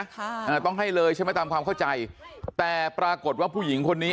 อ่าต้องให้เลยใช่ไหมตามความเข้าใจแต่ปรากฏว่าผู้หญิงคนนี้